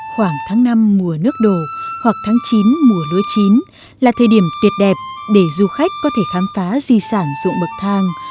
khoảng tháng năm mùa nước đổ hoặc tháng chín mùa lúa chín là thời điểm tuyệt đẹp để du khách có thể khám phá di sản dụng bậc thang